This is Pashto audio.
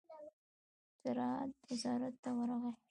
زراعت وزارت ته ورغی.